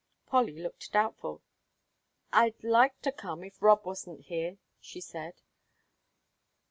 Polly looked doubtful. "I'd like to come, if Rob wasn't here," she said.